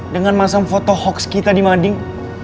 dengan masang foto hoax kita di mading